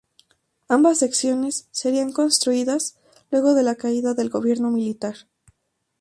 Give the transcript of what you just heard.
Ambas secciones serían construidas luego de la caída del gobierno militar.